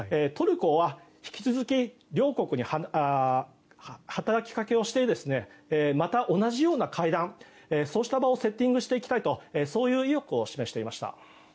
トルコは引き続き両国に働きかけをしてまた同じような会談そうした場をセッティングしていきたいとそういう意欲を示していました。